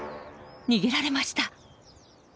逃げられました。